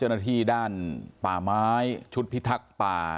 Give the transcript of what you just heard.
เหมือนกับทุกครั้งกลับบ้านมาอย่างปลอดภัย